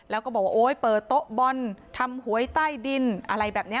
แล้วก็บอกว่าโอ๊ยเปิดโต๊ะบอลทำหวยใต้ดินอะไรแบบนี้